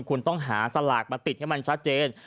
คุณต้องหาสลากมาติดให้มันชัดเจน